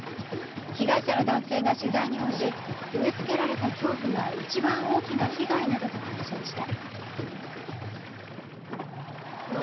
被害者の男性が取材に応じ植えつけられた恐怖が一番大きな被害などと話しました。